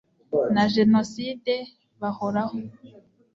na genocide bahoraho